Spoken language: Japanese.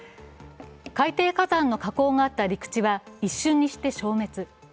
海底火山の火口があった陸地は一瞬にして消滅。